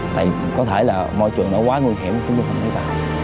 tại có thể là môi trường nó quá nguy hiểm chúng tôi không thể vào